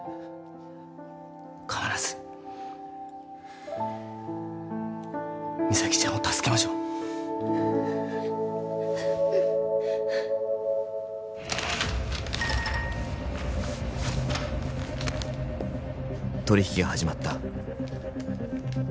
必ず実咲ちゃんを助けましょう「取引が始まった」